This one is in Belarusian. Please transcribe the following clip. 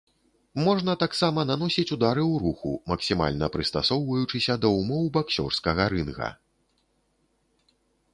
Можна таксама наносіць ўдары ў руху, максімальна прыстасоўваючыся да ўмоў баксёрскага рынга.